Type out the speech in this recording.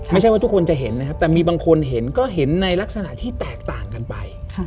ไม่ใช่ว่าทุกคนจะเห็นนะครับแต่มีบางคนเห็นก็เห็นในลักษณะที่แตกต่างกันไป